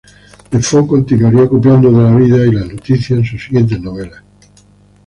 Defoe continuaría copiando de la vida y las noticias en sus siguientes novelas.